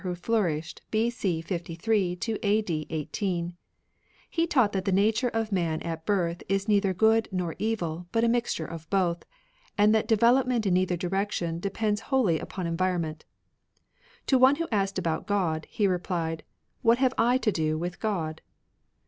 ^ho flourished B.C. 53 a.d. 18, He taught that the nature of man at birth is neither good nor evil, but a mixture of both, and that development in either direction de pends wholly upon environment. To one who asked about God, he replied, " What have I to do with God